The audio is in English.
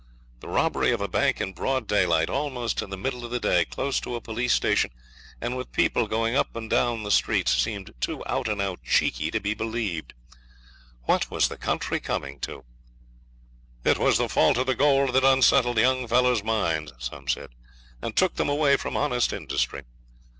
The robbery of a bank in broad daylight, almost in the middle of the day, close to a police station, and with people going up and down the streets, seemed too out and out cheeky to be believed. What was the country coming to? 'It was the fault of the gold that unsettled young fellows' minds,' some said, 'and took them away from honest industry.'